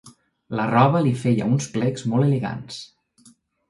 La roba li feia uns plecs molt elegants.